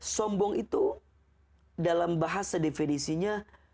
sombong itu dalam bahasa definisinya